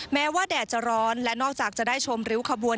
แม้ว่าแดดจะร้อนและนอกจากจะได้ชมริ้วขบวน